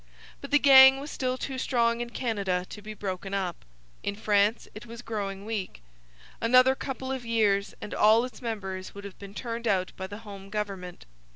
But the gang was still too strong in Canada to be broken up. In France it was growing weak. Another couple of years and all its members would have been turned out by the home government.